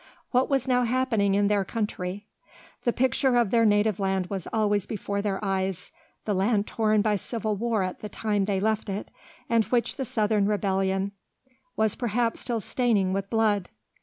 What was now happening in their country? The picture of their native land was always before their eyes, the land torn by civil war at the time they left it, and which the Southern rebellion was perhaps still staining with blood!